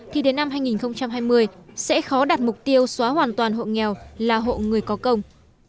thì đến năm hai nghìn hai mươi sẽ khó đạt mục tiêu xóa hoàn toàn hộ nghèo là hộ người có công